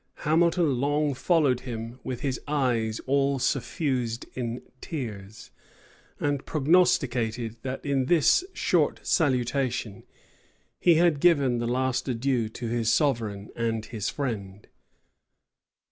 Hamilton long followed him with his eyes all suffused in tears, and prognosticated, that in this short salutation, he had given the last adieu to his sovereign and his friend.